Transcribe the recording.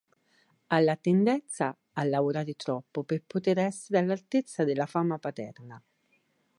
Ha la tendenza a lavorare troppo per poter essere all'altezza della fama paterna.